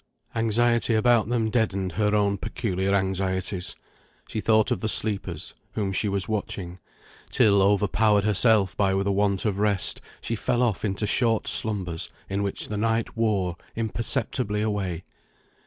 Anxiety about them deadened her own peculiar anxieties. She thought of the sleepers whom she was watching, till overpowered herself by the want of rest, she fell off into short slumbers in which the night wore imperceptibly away.